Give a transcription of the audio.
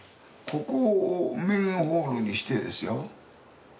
ここをメインホールにしてですよ